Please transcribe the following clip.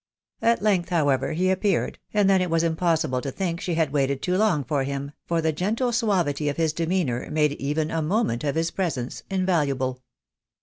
At length, however, he appeared, and then it was impos 456 THE WIDOW BJLBNABY. gible to think she bad waited too long for him, fox the gentle suavity of hit demeanour made even a moment of his presence invaluable.